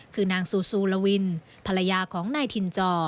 คือนางซูซูลวินภรรยาของนายถิ่นจอ